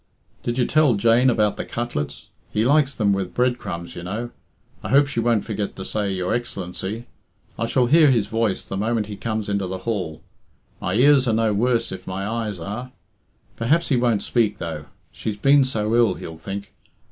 "Did you tell Jane about the cutlets? He likes them with bread crumbs, you know. I hope she won't forget to say 'Your Excellency.' I shall hear his voice the moment he comes into the hall. My ears are no worse, if my eyes are. Perhaps he won't speak, though, 'She's been so ill,' he'll think.